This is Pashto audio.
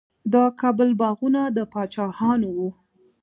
د کابل باغونه د پاچاهانو وو.